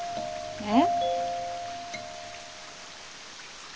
えっ。